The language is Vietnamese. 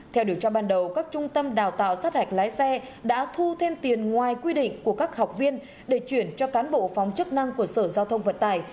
theo điều tra ban đầu các trung tâm đào tạo sát hạch lái xe đã thu thêm tiền ngoài quy định của các học viên để chuyển cho cán bộ phòng chức năng của sở giao thông vận tài